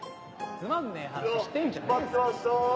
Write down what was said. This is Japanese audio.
つまんねえ話してんじゃねえぞ。